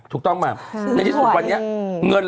ถูกต้องมากในที่สุดวันเนี้ย